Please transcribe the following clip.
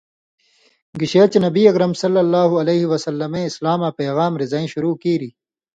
گشے چے نبی اکرم صلی اللہ علیہ وسلمے اِسلاماں پېغام رِزَیں شروع کیریۡ